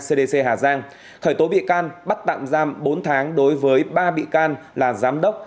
cdc hà giang khởi tố bị can bắt tạm giam bốn tháng đối với ba bị can là giám đốc